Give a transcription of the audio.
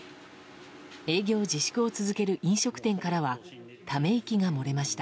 営業自粛を続ける飲食店からはため息が漏れました。